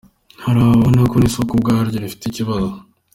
Hari ababona ko n’isoko ubwaryo rifite ikibazo.